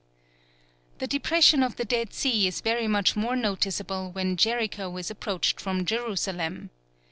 The depression of the Dead Sea is very much more noticeable when Jericho is approached from Jerusalem.